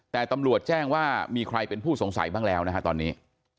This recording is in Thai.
แต่ตำรวจแจ้งว่ามีใครเป็นผู้สงสัยบ้างแล้วนะฮะตอนนี้